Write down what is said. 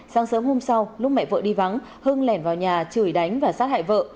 sáng sớm hôm sau lúc mẹ vợ đi vắng hưng lẻn vào nhà chửi đánh và sát hại vợ